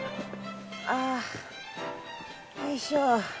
ああよいしょ。